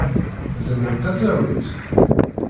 Tzemremt ad tarumt?